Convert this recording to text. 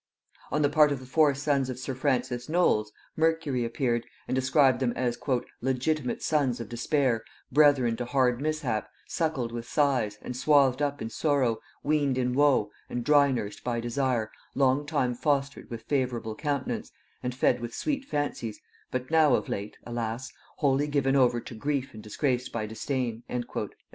On the part of the four sons of sir Francis Knolles, Mercury appeared, and described them as 'legitimate sons of Despair, brethren to hard mishap, suckled with sighs, and swathed up in sorrow, weaned in woe, and dry nursed by Desire, longtime fostered with favorable countenance, and fed with sweet fancies, but now of late (alas) wholly given over to grief and disgraced by disdain.' &c.